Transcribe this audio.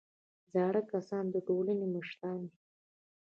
زاړه کسان د ټولنې مشران دي